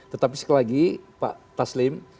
tetapi sekali lagi pak taslim